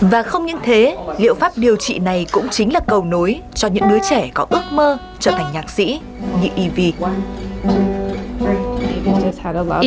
và không những thế liệu pháp điều trị này cũng chính là cầu nối cho những đứa trẻ có ước mơ trở thành nhạc sĩ như evi